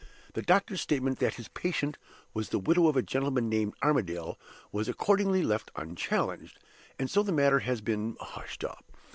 The doctor's statement that his patient was the widow of a gentleman named Armadale was accordingly left unchallenged, and so the matter has been hushed up.